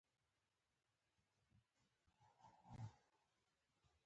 سلیمان غر د افغانانو د فرهنګي پیژندنې برخه ده.